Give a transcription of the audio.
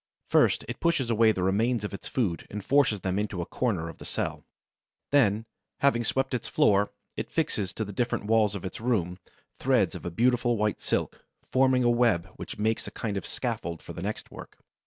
First it pushes away the remains of its food and forces them into a corner of the cell. Then, having swept its floor, it fixes to the different walls of its room threads of a beautiful white silk, forming a web which makes a kind of scaffold for the next work.